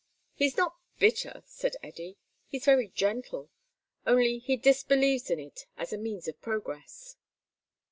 "He's not bitter," said Eddy. "He's very gentle. Only he disbelieves in it as a means of progress."